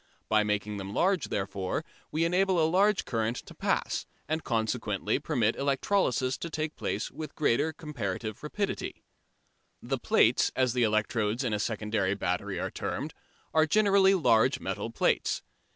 By making them large, therefore, we enable a large current to pass, and consequently permit electrolysis to take place with great comparative rapidity. [Illustration: FIG. 4.] The "plates," as the electrodes in a secondary battery are termed, are generally large metal plates.